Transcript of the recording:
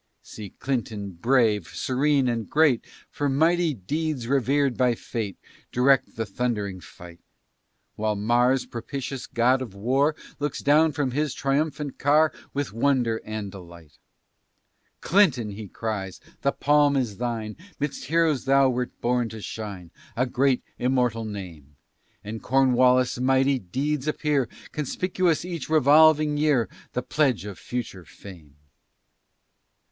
See Clinton brave, serene, and great, For mighty deeds rever'd by fate, Direct the thund'ring fight, While Mars, propitious god of war, Looks down from his triumphal car With wonder and delight. "Clinton," he cries, "the palm is thine, 'Midst heroes thou wert born to shine A great immortal name, And Cornwallis' mighty deeds appear Conspicuous each revolving year, The pledge of future fame."